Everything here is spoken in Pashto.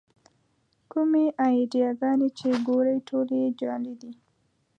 کومې اې ډي ګانې چې ګورئ ټولې یې جعلي دي.